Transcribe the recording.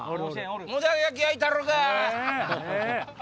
モダン焼き焼いたろか？